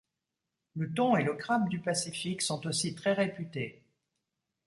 Le thon et le crabe du Pacifique sont aussi très réputés.